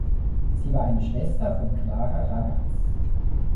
Sie war eine Schwester von Clara Ragaz.